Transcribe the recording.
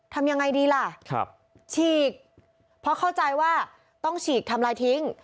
ทำยังไงดีล่ะฉีกเพราะเข้าใจว่าต้องฉีกทำลายทิ้ง